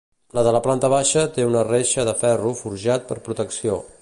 La de la planta baixa té una reixa de ferro forjat per protecció.